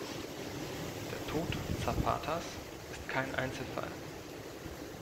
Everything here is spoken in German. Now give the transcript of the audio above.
Der Tod Zapatas ist kein Einzelfall.